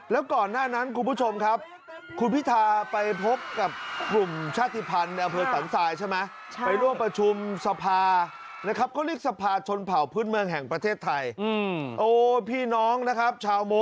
แล้วก่อนหน้านั้นคุณผู้ชมครับ